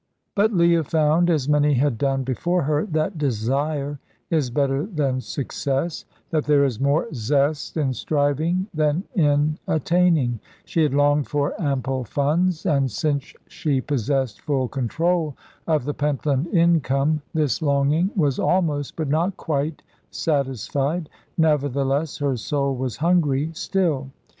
But Leah found, as many had done before her, that desire is better than success, that there is more zest in striving than in attaining. She had longed for ample funds, and since she possessed full control of the Pentland income this longing was almost, but not quite, satisfied. Nevertheless, her soul was hungry still.